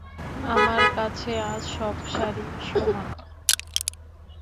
আমার কাছে আজ সব শাড়িই সমান।